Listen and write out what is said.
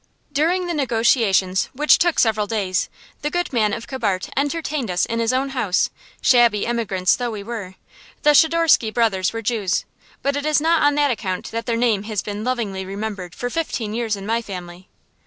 During the negotiations, which took several days, the good man of Kibart entertained us in his own house, shabby emigrants though we were. The Schidorsky brothers were Jews, but it is not on that account that their name has been lovingly remembered for fifteen years in my family.